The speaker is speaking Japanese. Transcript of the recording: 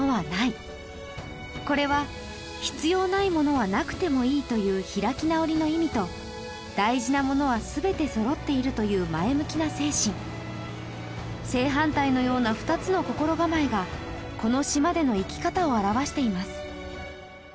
これは必要ないものはなくてもいいという開き直りの意味と大事なものは全て揃っているという前向きな精神正反対のような２つの心構えがこの島での生き方を表しています